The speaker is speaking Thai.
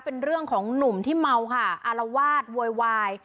เป็นเรื่องของหนุ่มที่เมาค่ะอารวาสโวยวาย